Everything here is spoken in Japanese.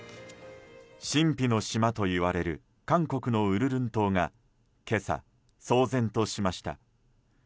神秘の島といわれる韓国のウルルン島が今朝、騒然としました。